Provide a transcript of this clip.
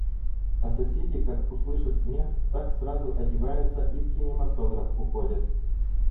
А соседи, как услышат смех, так сразу одеваются и в кинематограф уходят.